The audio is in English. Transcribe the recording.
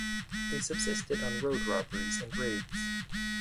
They subsisted on road robberies and raids.